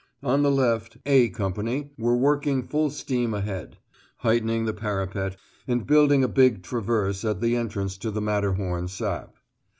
On the left "A" Company were working full steam ahead, heightening the parapet and building a big traverse at the entrance to the Matterhorn sap.